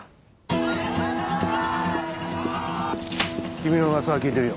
君の噂は聞いてるよ。